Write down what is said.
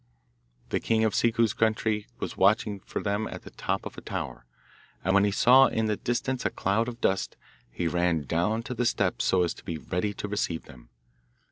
The king of Ciccu's country was watching for them from the top of a tower, and when he saw in the distance a cloud of dust, he ran down to the steps so as to be ready to receive them.